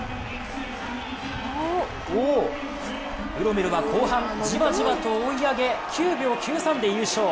ブロメルは後半じわじわと追い上げ９秒９３で優勝。